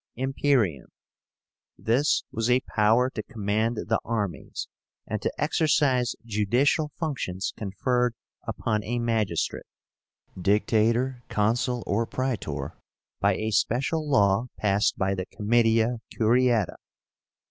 IMPERIUM. This was a power to command the armies, and to exercise judicial functions conferred upon a magistrate (Dictator, Consul, or Praetor) by a special law passed by the Comitia Curiáta.